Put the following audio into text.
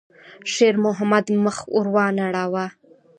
شېرمحمد مخ ور وانه ړاوه.